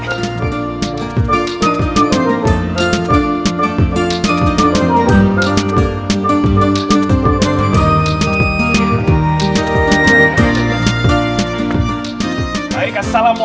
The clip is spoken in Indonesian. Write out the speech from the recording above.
baik assalamualaikum warahmatullahi wabarakatuh